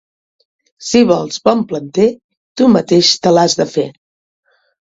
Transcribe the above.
Si vols bon planter, tu mateix te l'has de fer.